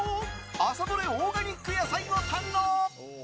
朝どれオーガニック野菜を堪能！